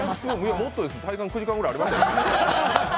もっとです、体感９時間くらいありましたよ。